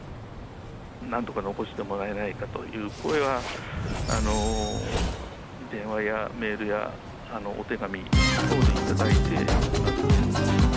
なんとか残してもらえないかという声は、電話やメールやお手紙等で頂いています。